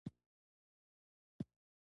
مالیه د بنسټیزو پروژو لپاره مهمه ده.